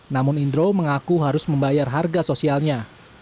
namun indro mengaku harus membayar harga sosialnya